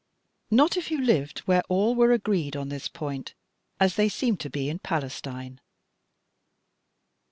"Not if you lived where all were agreed on this point, as they seem to be in Palestine.